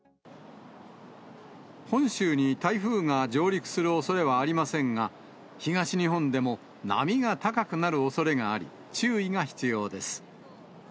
本州に台風が上陸するおそれはありませんが、東日本でも波が高くなるおそれがあり、注意が必要です。